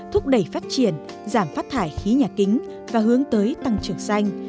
thúc đẩy phát triển giảm phát thải khí nhà kính và hướng tới tăng trưởng xanh